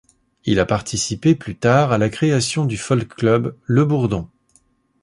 Il a participé, plus tard, à la création du folk club Le Bourdon.